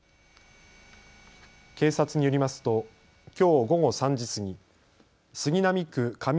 警察によりますときょう午後３時過ぎ杉並区上荻